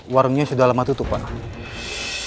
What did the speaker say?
warungnya sudah lama tutup pak